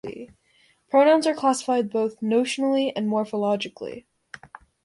Pronouns are classified both notionally and morphologically.